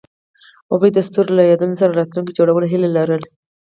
هغوی د ستوري له یادونو سره راتلونکی جوړولو هیله لرله.